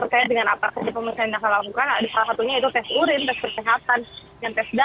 terkait dengan apa saja pemilihan yang akan dilakukan